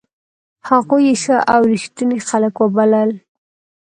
هغوی یې ښه او ریښتوني خلک وبلل.